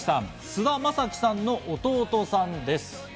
菅田将暉さんの弟さんです。